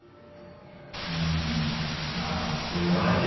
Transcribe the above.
んーまあそう言わないでよ。